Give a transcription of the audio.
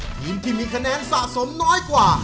ทีมที่มีคะแนนสะสมน้อยกว่า